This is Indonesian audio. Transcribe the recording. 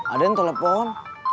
ada yang telepon